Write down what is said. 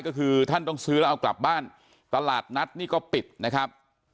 ก็คือท่านต้องซื้อแล้วเอากลับบ้านตลาดนัดนี่ก็ปิดนะครับ